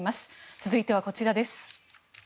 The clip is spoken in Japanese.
続いてはこちらです。